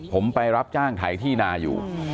ผมไปรับจ้างไถที่นาอยู่